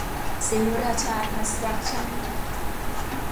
ศรีราชาคอนสตรัคชั่น